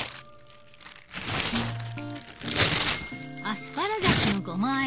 アスパラガスのごまあ